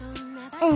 うん。